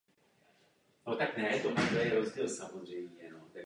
Je však důležitou součástí řešení pro zajištění udržitelnějšího dopravní systém.